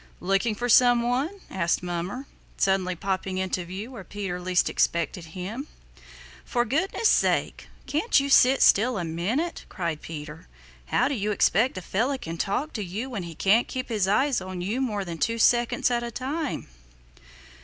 "Looking for some one?" asked Mummer, suddenly popping into view where Peter least expected him. "For goodness' sake, can't you sit still a minute?" cried Peter. "How do you expect a fellow can talk to you when he can't keep his eyes on you more than two seconds at a time."